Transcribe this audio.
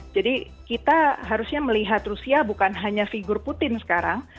jadi kita harusnya melihat rusia bukan hanya figur putin sekarang